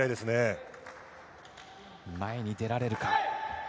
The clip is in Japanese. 前に出られるか。